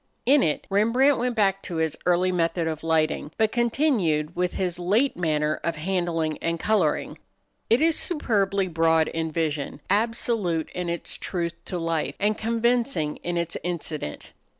In it Rembrandt went back to his early method of lighting, but continued with his late manner of handling and coloring. It is superbly broad in vision, absolute in its truth to life, and convincing in its incident.